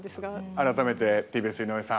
改めてＴＢＳ井上さん